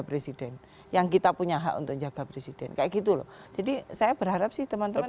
presiden yang kita punya hak untuk jaga presiden kayak gitu loh jadi saya berharap sih teman teman